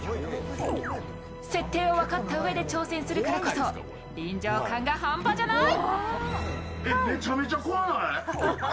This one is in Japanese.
すると設定を分かったうえで挑戦するからこそ臨場感が半端じゃない。